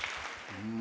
うん。